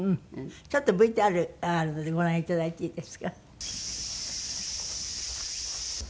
ちょっとＶＴＲがあるのでご覧頂いていいですか？